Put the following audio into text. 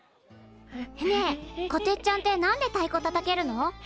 ねえこてっちゃんって何でたいこたたけるの？